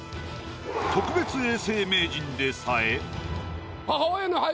特別永世名人でさえ。